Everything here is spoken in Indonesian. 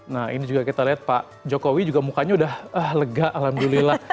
nah ini juga kita lihat pak jokowi juga mukanya udah lega alhamdulillah